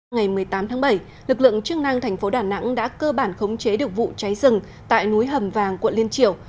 ngày một mươi tám tháng bảy lực lượng chức năng thành phố đà nẵng đã cơ bản khống chế được vụ cháy rừng tại núi hầm vàng quận liên triều